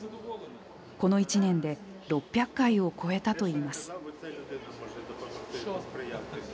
この１年で６００回を超えたといいます。